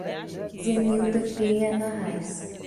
Zenilda Penha Arraes